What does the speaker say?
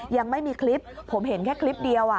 ยังไม่มีคลิปผมเห็นแค่คลิปเดียว